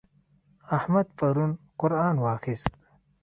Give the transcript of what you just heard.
احمد پرون قرآن واخيست.